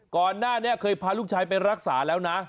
ก่อนหน้านี้เคยพาลูกชายไปรักษาแล้วนะ